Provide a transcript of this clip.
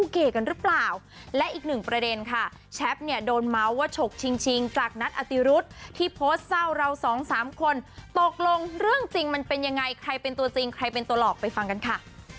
ใครเป็นตัวจริงใครเป็นตัวหลอกไปฟังกันค่ะ